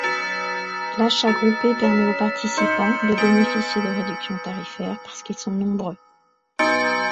L’achat groupé permet aux participants de bénéficier de réductions tarifaires parce qu’ils sont nombreux.